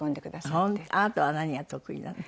あなたは何が得意なの？